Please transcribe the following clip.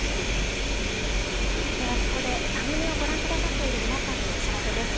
ではここで、番組をご覧くださっている皆さんにお知らせです。